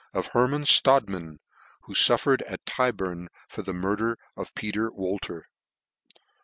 of HERMAN STKODTMAN, who fuffered at 'Tyburn for the Murder of PETER WOLTER.